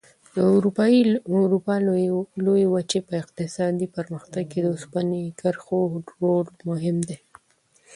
د اروپا لویې وچې په اقتصادي پرمختګ کې د اوسپنې کرښو رول مهم دی.